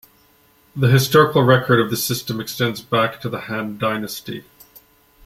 The historical record of the system extends back to the Han Dynasty.